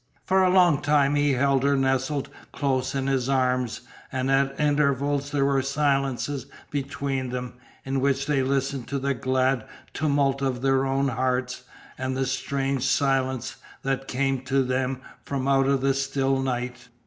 For a long time he held her nestled close in his arms, and at intervals there were silences between them, in which they listened to the glad tumult of their own hearts, and the strange silence that came to them from out of the still night.